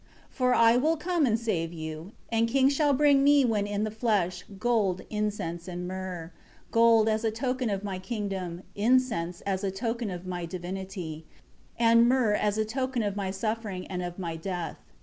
2 For I will come and save you; and kings shall bring me when in the flesh, gold, incense and myrrh; gold as a token of My kingdom; incense as a token of My divinity; and myrrh as a token of My suffering and of My death.